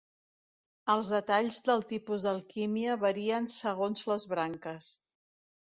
Els detalls del tipus d'alquímia varien segons les branques.